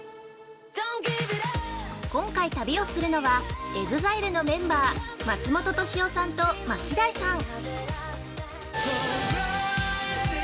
今回、旅をするのは、ＥＸＩＬＥのメンバー松本利夫さんとＭＡＫＩＤＡＩさん。